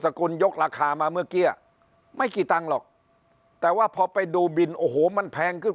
กุลยกราคามาเมื่อกี้ไม่กี่ตังค์หรอกแต่ว่าพอไปดูบินโอ้โหมันแพงขึ้น